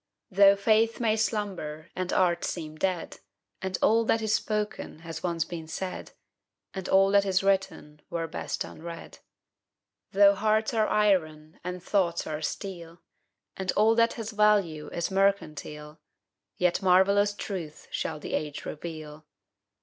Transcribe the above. Though faith may slumber and art seem dead, And all that is spoken has once been said, And all that is written were best unread; Though hearts are iron and thoughts are steel, And all that has value is mercantile, Yet marvellous truths shall the age reveal.